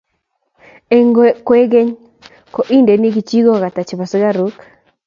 eng kwekeny ko indeni kijikoik ata chebo sikaruk chaik